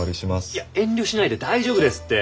いや遠慮しないで大丈夫ですって。